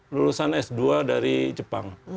lulusan s dua dari jepang